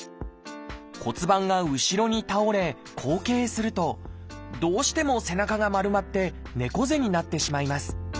骨盤が後ろに倒れ後傾するとどうしても背中が丸まって猫背になってしまいます。